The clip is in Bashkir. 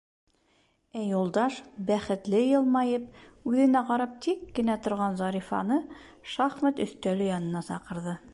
Ә Юлдаш, бәхетле йылмайып, үҙенә ҡарап тик кенә торған Зарифаны шахмат өҫтәле янына саҡырҙы: